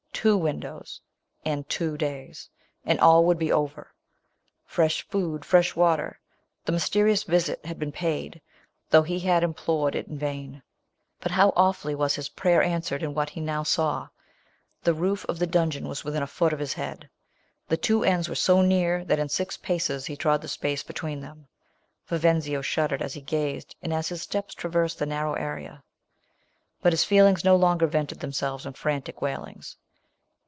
Two windows! — and two days — and all would be over ! Fresh food — fresh water ! The mysterious visit had been paid, though he had implored it in vain. But how awfully Avas his prayer answered in what he now saw ! The roof of the dungeon was Avithiu a foot of his head. The twa ends were so near, that in six paces he trod the space between them. Vivenzio shuddered as he gazed, and as his steps traversed the narrowed area. But his feelings no longer vented themselves in frantic Avail ings.